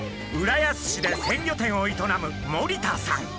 浦安市で鮮魚店を営む森田さん。